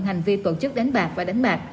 hành vi tổ chức đánh bạc và đánh bạc